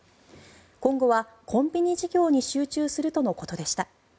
今後はコンビニ事業に集中するとのことでした。